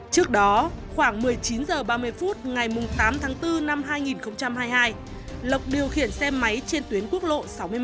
trước đó khoảng một mươi chín h ba mươi phút ngày tám tháng bốn năm hai nghìn hai mươi hai lộc điều khiển xe máy trên tuyến quốc lộ sáu mươi một